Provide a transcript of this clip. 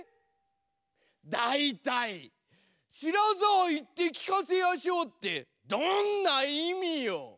だいたい「知らざあ言って聞かせやしょう」ってどんないみよ？